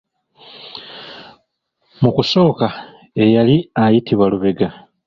Mu kusooka eyali ayitibwa Lubega.